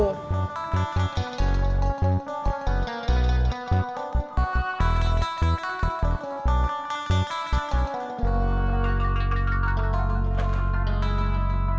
aku mau ikut campur